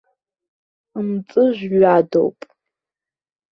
Мҵыжәҩадоуп.